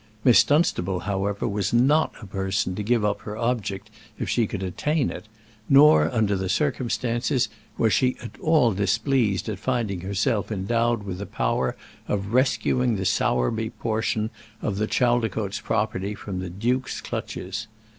Miss Dunstable, however, was not a person to give up her object if she could attain it, nor, under the circumstances, was she at all displeased at finding herself endowed with the power of rescuing the Sowerby portion of the Chaldicotes property from the duke's clutches.